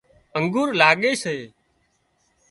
انگورلاڳي سي